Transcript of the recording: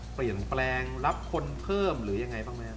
เปลี่ยนแปลงรับคนเพิ่มหรือยังไงบ้างแม่